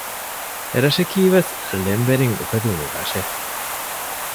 އެރަށަކީ ވެސް ޅެން ވެރިން އުފެދުނު ރަށެއް